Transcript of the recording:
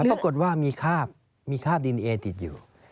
ปรากฏว่ามีคราบมีคราบดินเอติดอยู่